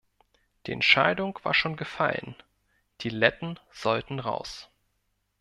Die Entscheidung war schon gefallen, die Letten sollten raus.